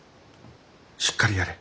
しっかりやれ。